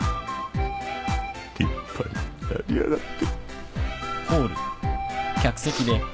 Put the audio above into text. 立派になりやがって。